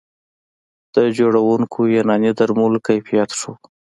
د جوړېدونکو یوناني درملو کیفیت ښه و